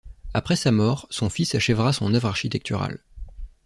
Après sa mort, son fils achèvera son œuvre architecturale.